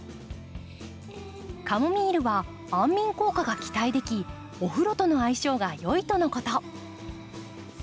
カモミールは安眠効果が期待できお風呂との相性がよいとのこと。